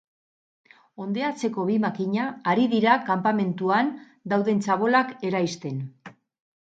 Hondeatzeko bi makina ari dira kanpamentuan dauden txabolak eraisten.